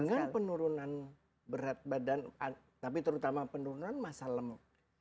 dengan penurunan berat badan tapi terutama penurunan masa lemuk